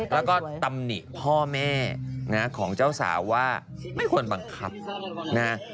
แล้วก็ตำหนิพ่อแม่นะของเจ้าสาวว่าไม่ควรบังคับนะ